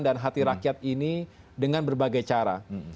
dan hati rakyat ini dengan berbagai cara